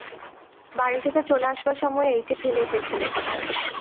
বাড়ি থেকে চলে আসবার সময় এইটি ফেলে এসেছিল।